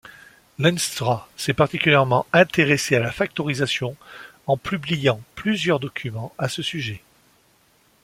Lenstra s'est particulièrement intéressé à la factorisation en publiant plusieurs documents à ce sujet.